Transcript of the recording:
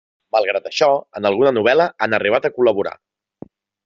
Malgrat això, en alguna novel·la han arribat a col·laborar.